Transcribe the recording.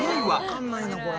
「わかんないなこれ。